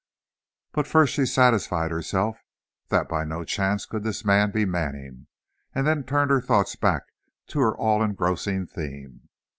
She first satisfied herself that by no chance could this man be Manning, and then turned her thoughts back to her all engrossing theme.